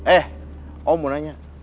eh om mau nanya